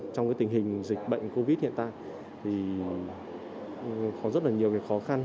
trong tình hình dịch bệnh covid hiện tại thì có rất là nhiều khó khăn